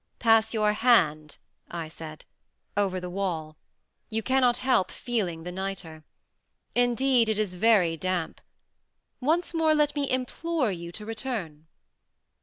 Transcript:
"Pass your hand," I said, "over the wall; you cannot help feeling the nitre. Indeed it is very damp. Once more let me implore you to return.